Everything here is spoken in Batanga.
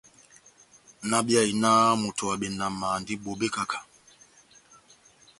Náhábíyahi náh moto wa benama andi bobé kahá-kahá.